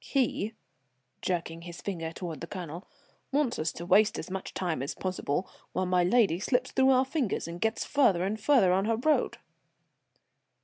He," jerking his finger toward the Colonel, "wants us to waste as much time as possible, while my lady slips through our fingers and gets farther and farther on her road."